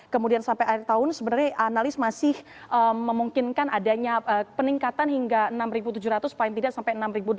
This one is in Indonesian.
kemudian sampai akhir tahun sebenarnya analis masih memungkinkan adanya peningkatan hingga enam tujuh ratus paling tidak sampai enam delapan ratus